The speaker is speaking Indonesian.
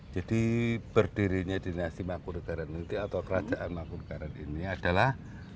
jadi berdirinya dinasi mangkunagaran ini atau kerajaan mangkunagaran ini adalah